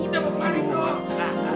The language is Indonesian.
udah mau kemari tuh